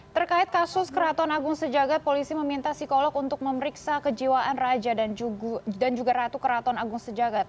terkait kasus keraton agung sejagat polisi meminta psikolog untuk memeriksa kejiwaan raja dan juga ratu keraton agung sejagat